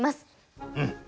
うん。